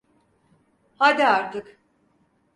Haydi artık.